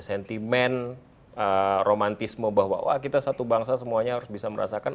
sentimen romantisme bahwa kita satu bangsa semuanya harus bisa merasakan